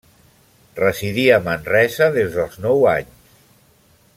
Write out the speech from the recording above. Residí a Manresa des dels nou anys.